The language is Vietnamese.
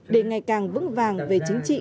để ngày càng vững vàng về chính trị